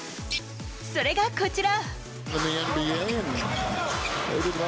それがこちら。